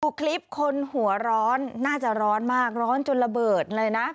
คลิปคนหัวร้อนน่าจะร้อนมากร้อนจนระเบิดเลยนะ